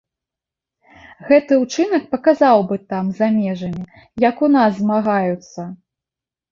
Гэты ўчынак паказаў бы там, за межамі, як у нас змагаюцца.